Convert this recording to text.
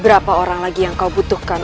berapa orang lagi yang kau butuhkan